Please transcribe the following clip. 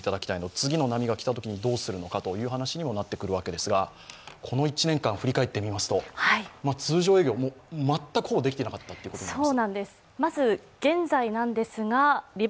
次の波が来たときにどうするのかという話にもなってくるわけですが、この１年間を振り返ってみますと、通常営業を全く、ほぼできていなかったということですよね。